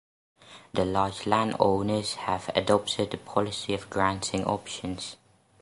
The large landowners have adopted the policy of granting options.